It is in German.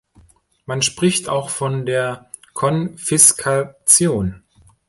Man spricht auch von der Konfiskation.